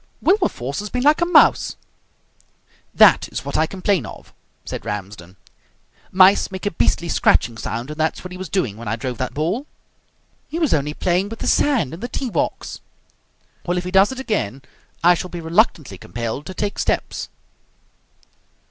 "Wilberforce has been like a mouse!" "That is what I complain of," said Ramsden. "Mice make a beastly scratching sound, and that's what he was doing when I drove that ball." "He was only playing with the sand in the tee box." "Well, if he does it again, I shall be reluctantly compelled to take steps."